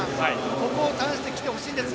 ここをターンしてきてほしいです。